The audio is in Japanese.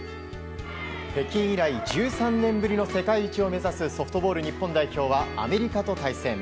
北京以来１３年ぶりの世界一を目指すソフトボール日本代表はアメリカと対戦。